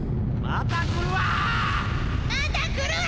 ・また来るわ！